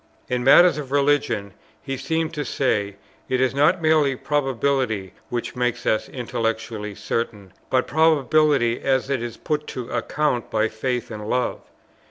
In matters of religion, he seemed to say, it is not merely probability which makes us intellectually certain, but probability as it is put to account by faith and love.